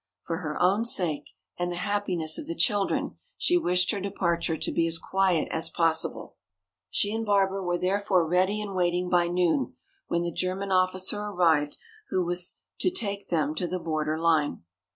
For her own sake and the happiness of the children she wished her departure to be as quiet as possible. She and Barbara were therefore ready and waiting by noon, when the German officer arrived who was to take them to the border line.